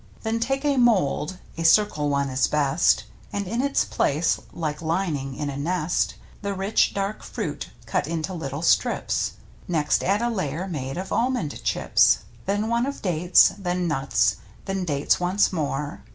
Then take a mold — a circle one is best — And in it place, like lining in a nest, The rich, dark fruit cut into little strips; Next add a layer made of almond chips ; Then one of dates, then nuts, then dates once more.